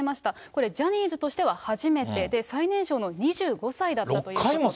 これ、ジャニーズとしては初めてで、最年少の２５歳だったということで。